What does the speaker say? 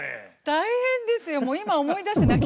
大変ですよ。